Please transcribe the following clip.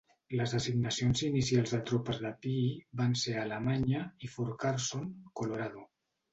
Les assignacions inicials de tropes de Peay van ser a Alemanya i Fort Carson, Colorado.